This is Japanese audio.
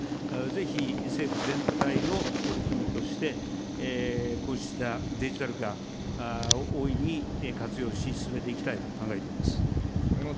ぜひ政府全体の取り組みとして、こうしたデジタル化、大いに活用し、進めていきたいと考えております。